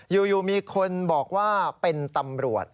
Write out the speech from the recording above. อยู่มีคนบอกว่าเป็นตำรวจ